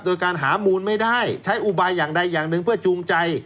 โดยการหามูลไม่ได้ใช้อุบายอย่างใดอย่างหนึ่งเพื่อจูงใจ